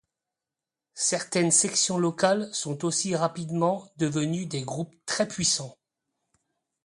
Certaines sections locales sont rapidement devenues des groupes très puissants.